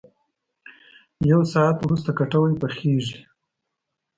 یو ساعت ورست کټوۍ پخېږي.